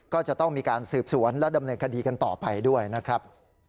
ก็จะต้องมีการสืบสวนและดำเนินคดีกันต่อไปด้วยนะครับ